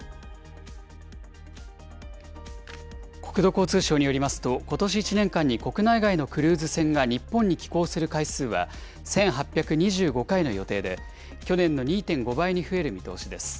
国土交通省によりますと、ことし１年間に国内外のクルーズ船が日本に寄港する回数は、１８２５回の予定で、去年の２．５倍に増える見通しです。